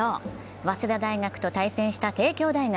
早稲田大学と対戦した帝京大学。